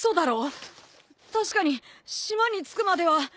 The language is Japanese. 確かに島に着くまでは。